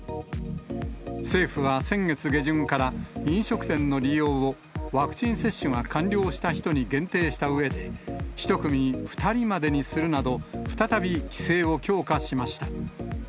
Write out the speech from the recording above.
政府は先月下旬から飲食店の利用をワクチン接種が完了した人に限定したうえで１組２人までにするなど、再び規制を強化しました。